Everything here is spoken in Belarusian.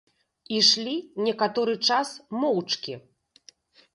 Ішлі некаторы час моўчкі.